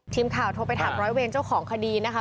ทีมข่าวโทรไปถามร้อยเวรเจ้าของคดีนะคะ